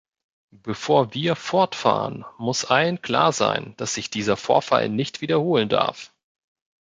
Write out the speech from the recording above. Bevor wir fortfahren, muss allen klar sein, dass sich dieser Vorfall nicht wiederholen darf.